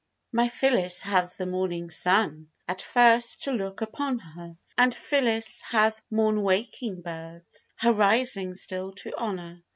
My Phyllis hath the morning sun At first to look upon her: And Phyllis hath morn waking birds Her rising still to honour.